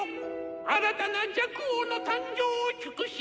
新たな若王の誕生を祝し